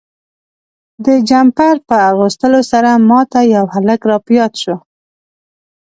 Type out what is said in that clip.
د جمپر په اغوستلو سره ما ته یو هلک را په یاد شو.